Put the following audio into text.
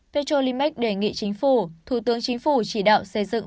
petrolimax đề nghị chính phủ thủ tướng chính phủ chỉ đạo xây dựng